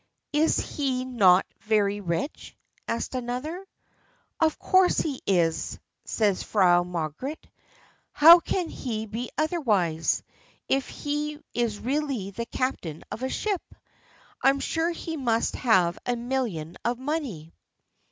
"Is he not very rich?" asked another. "Of course he is," said Frau Margaret; "how can he be otherwise, if he is really the captain of a ship? I'm sure he must have a million of money."